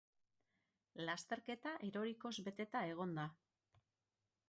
Lasterketa erorikoz beteta egon da.